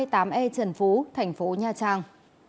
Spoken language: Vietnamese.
trần phú tp nha trang